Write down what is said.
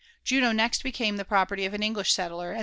J^no nest became tha» property of an i^iib settler ; and.